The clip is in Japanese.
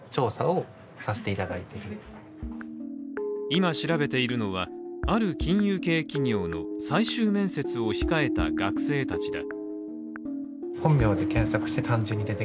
今、調べているのはある金融系企業の最終面接を控えた学生たちだ。